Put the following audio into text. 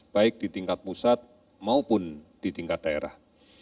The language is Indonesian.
baik di tingkat pusat maupun di tingkat daerah